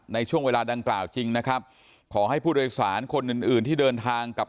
ในช่วงเวลาดังกล่าวจริงนะครับขอให้ผู้โดยสารคนอื่นอื่นที่เดินทางกับ